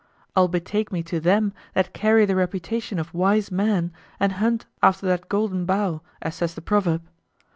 I'll betake me to them that carry the reputation of wise men and hunt after that golden bough, as says the proverb.